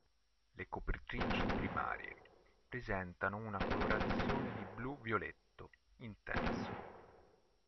Le copritrici primarie presentano una colorazione di un blu-violetto intenso.